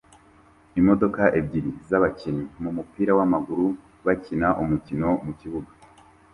imodoka ebyiri zabakinnyi bumupira wamaguru bakina umukino mukibuga